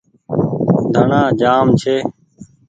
ڌڻآ جآم ڇي۔